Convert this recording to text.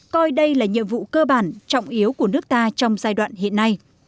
coi đây là nhiệm vụ cơ bản trọng yếu của nước ta trong giai đoạn hiện nay